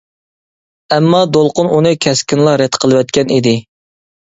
ئەمما دولقۇن ئۇنى كەسكىنلا رەت قىلىۋەتكەن ئىدى.